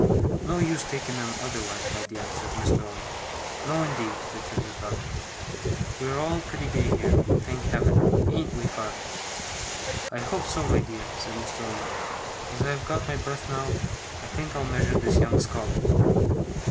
'No use taking 'em otherwise, my dear,' said Mr. Omer. 'No, indeed,' returned his daughter. 'We are all pretty gay here, thank Heaven! Ain't we, father?' 'I hope so, my dear,' said Mr. Omer. 'As I have got my breath now, I think I'll measure this young scholar.